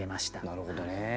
なるほどね。